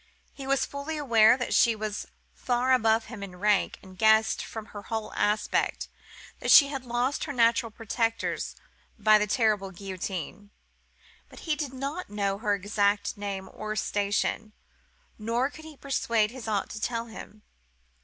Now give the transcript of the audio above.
He was fully aware that she was far above him in rank, and guessed from her whole aspect that she had lost her natural protectors by the terrible guillotine; but he did not know her exact name or station, nor could he persuade his aunt to tell him.